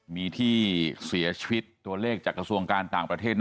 มีที่เสียชีวิตตัวเลขจากกระทรวงการต่างประเทศ